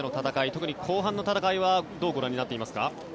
特に後半の戦いはどうご覧になっていますか？